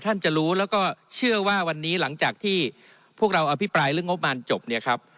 ท่านจะรู้แล้วก็เชื่อว่าวันนี้หลังจากที่พวกเราอภิปรายเรื่องงบมารจบเนี่ยครับ